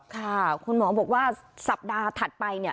ค่ะคุณหมอบอกว่าสัปดาห์ถัดไปเนี่ย